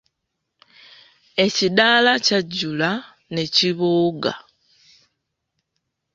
Ekidaala kyajjula ne kibooga.